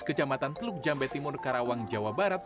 kecamatan teluk jambe timur karawang jawa barat